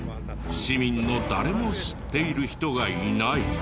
市民の誰も知っている人がいない。